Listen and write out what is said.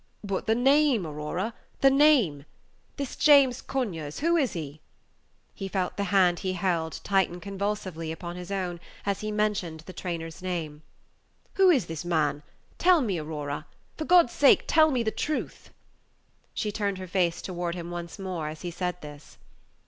"But the name, Aurora, the name. This James Conyers, who is he?" He felt the hand he held tighten convulsively upon his own as he mentioned the trainer's name. "Who is this man? Tell me, Aurora. For God's sake, tell me the truth." She turned her face toward him once more as he said this.